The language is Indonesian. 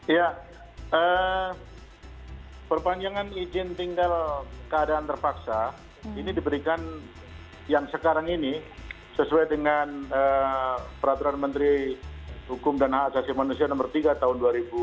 ya perpanjangan izin tinggal keadaan terpaksa ini diberikan yang sekarang ini sesuai dengan peraturan menteri hukum dan hak asasi manusia nomor tiga tahun dua ribu dua puluh